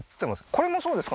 これもそうですか？